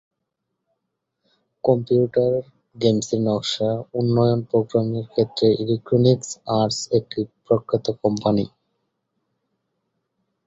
Computer গেমের নকশা, উন্নয়ন, প্রোগ্রামিং-এর ক্ষেত্রে ইলেকট্রনিক আর্টস একটি প্রখ্যাত কোম্পানি।